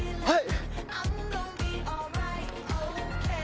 はい！